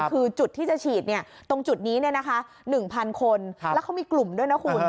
คือจุดที่จะฉีดตรงจุดนี้๑๐๐คนแล้วเขามีกลุ่มด้วยนะคุณ